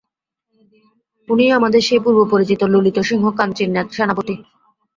উনিই আমাদের সেই পূর্বপরিচিত ললিতসিংহ, কাঞ্চীর সেনাপতি।